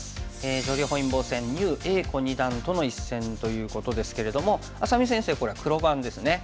女流本因坊戦牛栄子二段との一戦ということですけれども愛咲美先生これは黒番ですね。